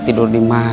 tidur di sana